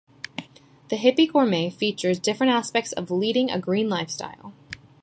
"The Hippy Gourmet" features different aspects on leading a green lifestyle.